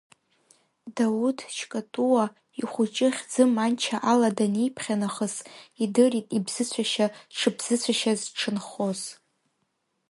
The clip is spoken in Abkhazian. Дауҭ Чкатууа, ихәыҷы хьӡы Манча ала даниԥхьа нахыс, идырит ибзыцәашьа дшыбзыцәашьаз дшынхоз.